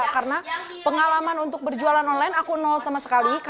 karena pengalaman untuk berjualan online aku nol sama sekali